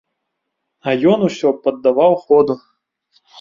А ён усё паддаваў ходу.